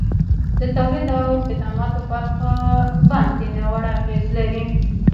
د تولید او خدماتو برخه باندي ناوړه اغیزه لري.